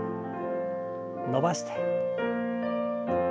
伸ばして。